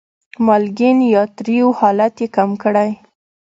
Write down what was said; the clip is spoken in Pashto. مالګین یا تریو حالت یې کم کړي.